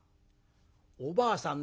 おばあさん